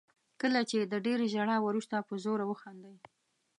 کله چې د ډېرې ژړا وروسته په زوره وخاندئ.